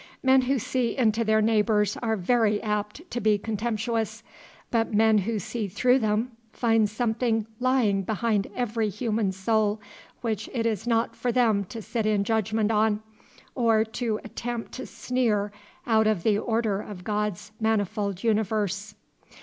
Men who see into their neighbors are very apt to be contemptuous; but men who see through them find something lying behind every human soul which it is not for them to sit in judgment on, or to attempt to sneer out of the order of God's manifold universe.